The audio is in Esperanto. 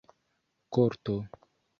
korto